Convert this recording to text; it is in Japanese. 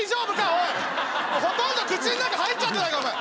おいほとんど口の中入っちゃってないか？